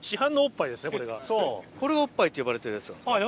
これがおっぱいって呼ばれてるやつ。